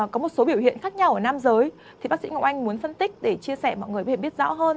có một số biểu hiện khác nhau ở nam giới thì bác sĩ oanh muốn phân tích để chia sẻ mọi người biết rõ hơn